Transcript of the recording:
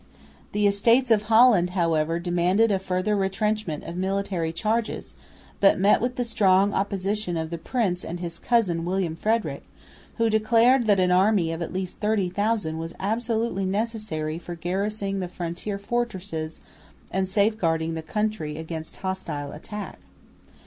The Estates of Holland, however, demanded a further retrenchment of military charges, but met with the strong opposition of the Prince and his cousin William Frederick, who declared that an army of at least 30,000 was absolutely necessary for garrisoning the frontier fortresses and safeguarding the country against hostile attack.